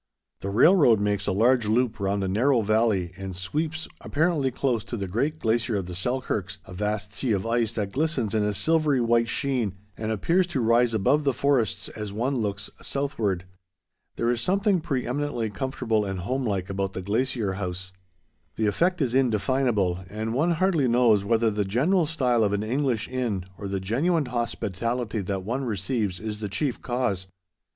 The railroad makes a large loop round a narrow valley and sweeps apparently close to the great glacier of the Selkirks, a vast sea of ice that glistens in a silvery white sheen and appears to rise above the forests as one looks southward. There is something pre eminently comfortable and homelike about the Glacier House. The effect is indefinable, and one hardly knows whether the general style of an English inn, or the genuine hospitality that one receives, is the chief cause.